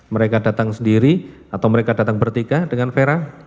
mereka datang sendiri atau mereka datang bertiga dengan vera